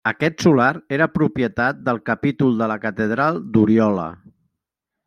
Aquest solar, era propietat del Capítol de la Catedral d'Oriola.